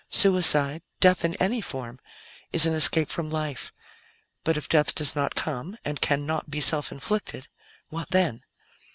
Suicide death in any form is an escape from life. But if death does not come, and can not be self inflicted, what then?